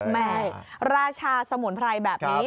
แม่ราชาสมุนไพรแบบนี้